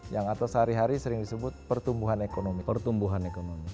yang atau sehari hari sering disebut pertumbuhan ekonomi pertumbuhan ekonomi